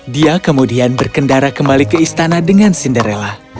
dia kemudian berkendara kembali ke istana dengan cinderella